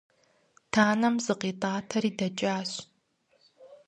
Танэм зыкъитӀатэри дэкӀащ.